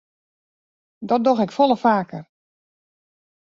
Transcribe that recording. Dat doch ik folle faker.